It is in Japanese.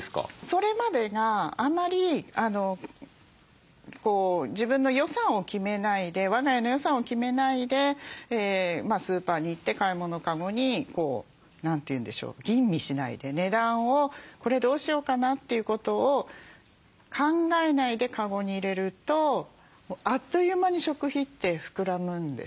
それまでがあまり自分の予算を決めないで我が家の予算を決めないでスーパーに行って買い物カゴに何て言うんでしょう吟味しないで値段をこれどうしようかなということを考えないでカゴに入れるとあっという間に食費って膨らむんですね。